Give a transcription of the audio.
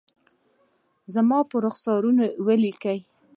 زما پر رخسارونو ولیکلي